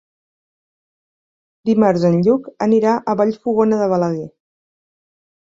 Dimarts en Lluc anirà a Vallfogona de Balaguer.